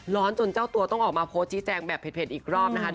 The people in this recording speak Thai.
จนเจ้าตัวต้องออกมาโพสต์ชี้แจงแบบเผ็ดอีกรอบนะคะ